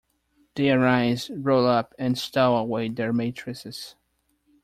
They arise, roll up and stow away their mattresses.